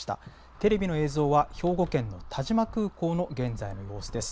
テレビの映像は兵庫県の但馬空港の現在の様子です。